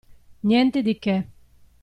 Niente di che.